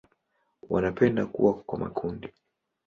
Wanapenda kuwa kwa makundi.